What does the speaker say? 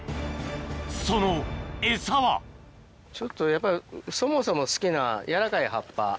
そのエサはちょっとやっぱりそもそも好きな柔らかい葉っぱ。